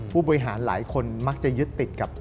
ผู้บริหารหลายคนมักจะยึดติดกับ